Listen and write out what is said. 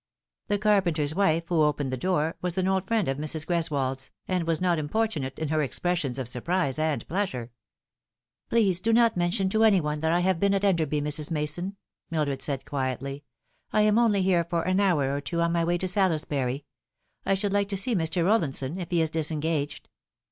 The carpenter's wife, who opened the door, was an old friend of Mrs. Greswold's, and was not importunate in her expressions of surprise and pleasure. "Please do not mention to any one that I have been at Enderby, Mrs. Mason," Mildred said quietly. " I am only here for an hour or two on my way to Salisbury. I should like to see Mr. Rollinson, if he is disengaged."